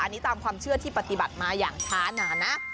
อันนี้ตามความเชื่อที่ปฏิบัติมาอย่างช้านานนะ